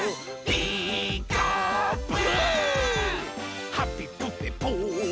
「ピーカーブ！」